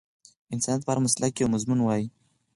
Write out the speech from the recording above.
انسانيت په هر مسلک کې یو مضمون وای